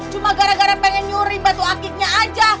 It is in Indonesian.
cuma gara gara pengen nyuri batu akiknya aja